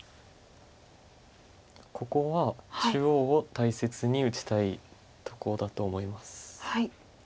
ここは中央を大切に打ちたいとこだと思います。